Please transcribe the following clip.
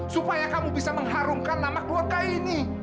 supaya kamu bisa mengharumkan nama keluarga ini